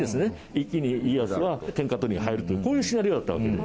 一気に家康は天下取りに入るというこういうシナリオだったわけで。